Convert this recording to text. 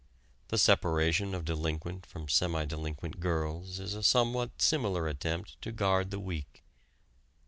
The separation of delinquent from semi delinquent girls is a somewhat similar attempt to guard the weak.